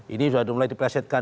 ini sudah mulai dipresetkan